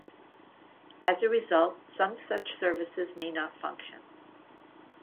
As a result, some such services may not function.